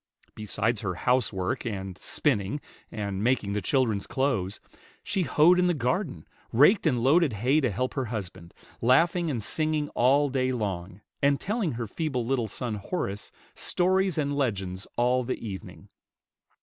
Besides her housework, and spinning, and making the children's clothes, she hoed in the garden, raked and loaded hay to help her husband, laughing and singing all day long, and telling her feeble little son, Horace, stories and legends all the evening.